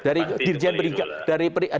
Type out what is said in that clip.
dari dirjen berdikah